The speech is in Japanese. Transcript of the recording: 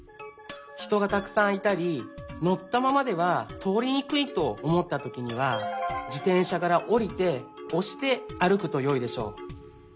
ひとがたくさんいたりのったままではとおりにくいとおもったときには自転車からおりておしてあるくとよいでしょう。